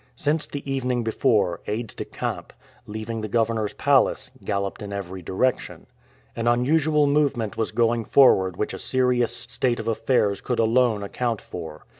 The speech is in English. Since the evening before, aides decamp, leaving the governor's palace, galloped in every direction. An unusual movement was going forward which a serious state of affairs could alone account for.